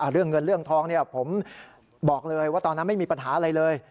เรื่องเงินเรื่องทองผมบอกเลยว่าตอนนั้นไม่มีปัญหาอะไรเลย